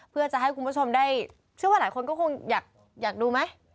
เพื่อจะให้คุณผู้ชมได้เชื่อว่าหลายคนก็คงอยากดูไหม